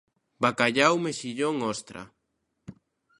Bacallau, mexillón, ostra.